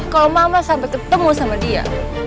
kalau mama sampai ketemu sama dia